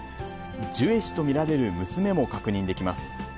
ジュエ氏と見られる娘も確認できます。